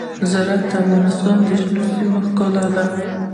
زراعت د افغانستان د شنو سیمو ښکلا ده.